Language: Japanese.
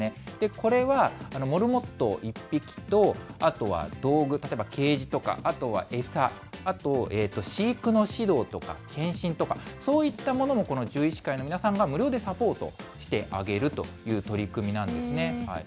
これはモルモット１匹とあとは道具、ケージとかあとは餌、あと飼育の指導とか検診とか、そういったものもこの獣医師会の皆さんが無料でサポートしてあげるという取り組みなんですね。